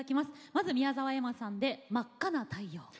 まず宮澤エマさんで「真赤な太陽」。